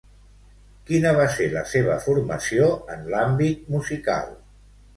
Quina va ser la seva formació en l'àmbit musical?